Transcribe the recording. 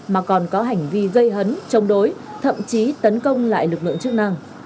mà còn có hành vi gây hấn chống đối thậm chí tấn công lại lực lượng chức năng